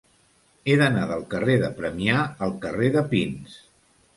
He d'anar del carrer de Premià al carrer de Pins.